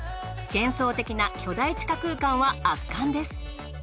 幻想的な巨大地下空間は圧巻です。